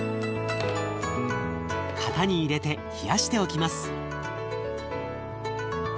型に入れて冷やしておきます。